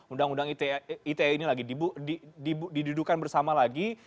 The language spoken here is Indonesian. undang undang ite ini lagi didudukan bersama lagi